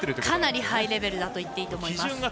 かなりハイレベルだと言っていいと思います。